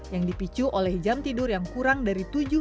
yang dipicu oleh jam tidur yang kurang dari tujuh jam